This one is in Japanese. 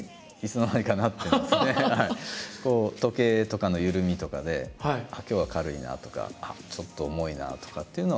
そうですね時計とかの緩みとかで今日は軽いなとかちょっと重いなとかっていうのは。